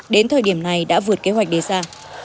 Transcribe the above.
đến thời điểm này đã vượt kế hoạch đề ra